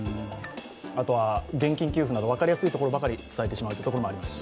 あとは、現金給付など分かりやすいところばかり伝えてしまうところもあります。